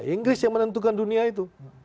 inggris yang menentukan dunia itu